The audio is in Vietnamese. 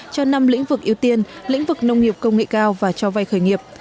cho năm lĩnh vực ưu tiên lĩnh vực nông nghiệp công nghệ cao và cho vay khởi nghiệp